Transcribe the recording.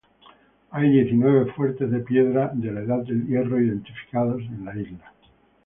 Hay diecinueve fuertes de piedra de la Edad del Hierro identificados en la isla.